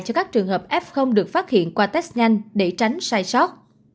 cho các trường hợp f được phát hiện qua test nhanh để tránh sai sót